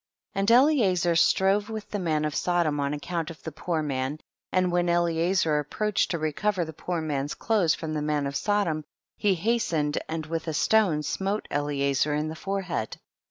And Eliezer strove with the man of Sodom on account of the poor man, and when Eliezer approached to recover the poor man's clothes from the man of Sodom, he hastened and with a stone smote Eliezer in the forehead.